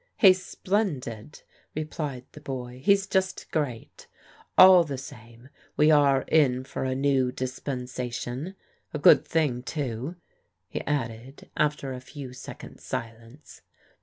" He's splendid," replied the boy. " He's just great. All the same, we are in for a new dispensation. A good thing too," he added, after a few seconds' silence.